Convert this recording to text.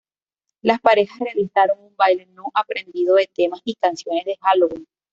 Las parejas realizaron un baile no aprendido de temas y canciones de Halloween.